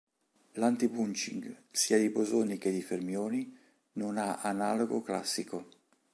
L'antibunching, sia di bosoni che di fermioni, non ha analogo classico.